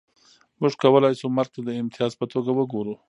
موږ کولای شو مرګ ته د امتیاز په توګه وګورو